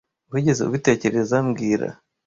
Wigeze ubitekereza mbwira